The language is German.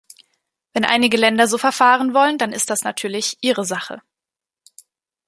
Wenn einige Länder so verfahren wollen, dann ist das natürlich ihre Sache.